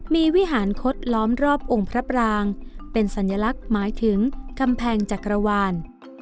มีวิหารคดล้อมรอบองค์พระปรางเป็นสัญลักษณ์หมายถึงกำแพงจักรวาล